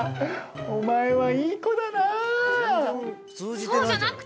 お前はいい子だなあ。